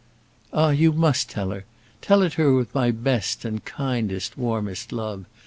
"Ah, you must tell her. Tell it her with my best, and kindest, warmest love.